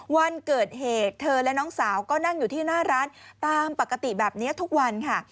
วันเกิดเหตุเธอและน้องสาวก็นั่งอยู่ที่หน้าร้านตามปกติแบบนี้ทุกวันค่ะ